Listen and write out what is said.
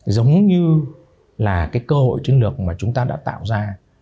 giống như là cái cơ hội chiến lược mà chúng ta đã tạo ra